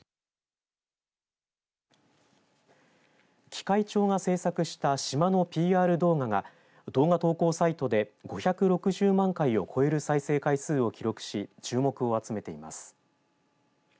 喜界町が制作した島のＰＲ動画が動画投稿サイトで５６０万回を超える再生回数を記録し注目を集めています。